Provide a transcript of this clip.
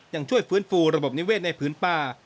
ยังช่วยฟื้นฟูระบบนิเวศในพื้นป่า